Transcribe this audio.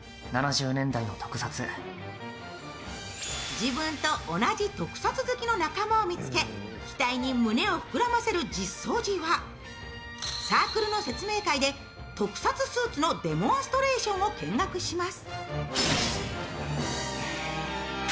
自分と同じ特撮好きの仲間を見つけ期待に胸を膨らませる実相寺はサークルの説明会で特撮スーツのデモンストレーションを見学します。